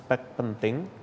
perkara yang penting